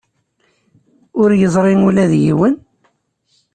Ur yeẓri ula d yiwen?